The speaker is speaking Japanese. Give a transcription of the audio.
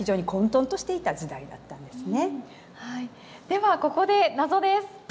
ではここで謎です。